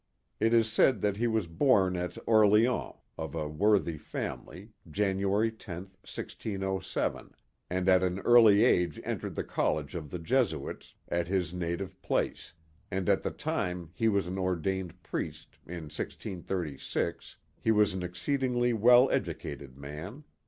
It is said that he was born at Orleans, of a worthy family, January lo, 1607, and at an early age entered the college of the Jesuits, at his native place, and at the time he was or dained priest, in 1636, he was an exceedingly well educated man.